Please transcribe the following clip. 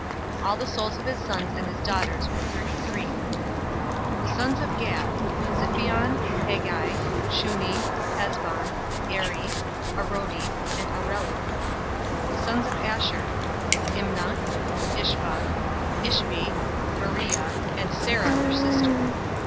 All the souls of his sons and his daughters were thirty three. 046:016 The sons of Gad: Ziphion, Haggi, Shuni, Ezbon, Eri, Arodi, and Areli. 046:017 The sons of Asher: Imnah, Ishvah, Ishvi, Beriah, and Serah their sister.